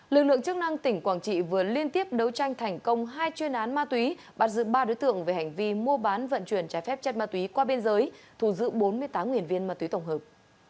lực lượng chức năng tỉnh quảng trị vừa liên tiếp đấu tranh thành công hai chuyên án ma túy bắt giữ ba đối tượng về hành vi mua bán vận chuyển trái phép chất ma túy qua biên giới thù giữ bốn mươi tám nguyên viên ma túy tổng hợp